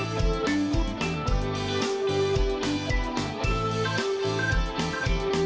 สวัสดีค่ะ